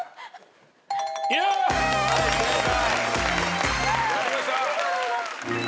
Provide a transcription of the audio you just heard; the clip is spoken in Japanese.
はい正解。